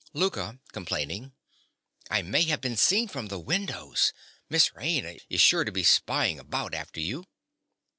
_) LOUKA. (complaining). I may have been seen from the windows: Miss Raina is sure to be spying about after you.